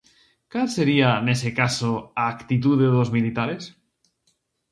Cal sería, nese caso, a actitude dos militares?